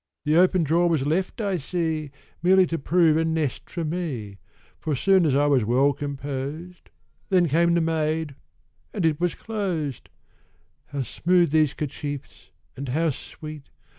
The open drawer was left, I see, Merely to prove a nest for me, For soon as I was well composed, Then came the maid, and it was closed, How smooth these 'kerchiefs, and how sweet!